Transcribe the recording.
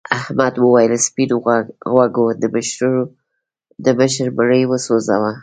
احمد وویل سپین غوږو د مشر مړی وسوځاوه.